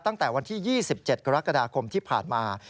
ตั้งแต่วันที่๒๗กรกฎาคมที่ผ่านมา